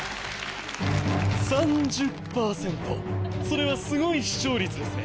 ３０％それはすごい視聴率ですね。